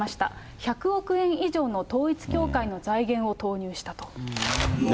１００億円以上の統一教会の財源を投入したと。